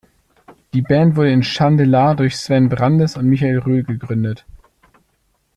Die Band wurde in Schandelah durch Sven Brandes und Michael Röhl gegründet.